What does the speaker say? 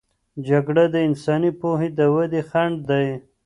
جګړه د انساني پوهې د ودې خنډ دی.